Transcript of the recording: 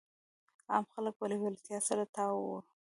عام خلک به له لیونیانو څخه تاو وو.